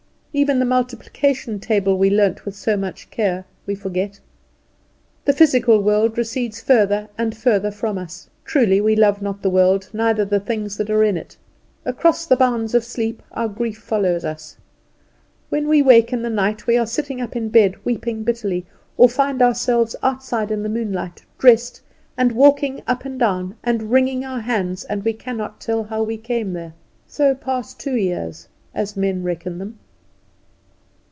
Even the multiplication table we learnt with so much care we forgot. The physical world recedes further and further from us. Truly we love not the world, neither the things that are in it. Across the bounds of sleep our grief follows us. When we wake in the night we are sitting up in bed weeping bitterly, or find ourself outside in the moonlight, dressed, and walking up and down, and wringing our hands, and we cannot tell how we came there. So pass two years, as men reckon them.